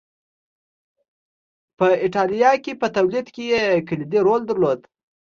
په اېټالیا کې په تولید کې یې کلیدي رول درلود